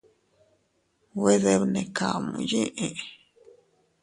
Güe debnekamu yee.